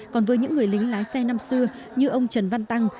còn với những người lính lái xe năm xưa như ông trần văn tăng